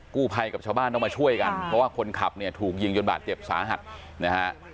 กู้ภัยกับชาวบ้านต้องมาช่วยกันเพราะว่าคนขับเนี่ยถูกยิงจนบาดเจ็บสาหัสนะฮะ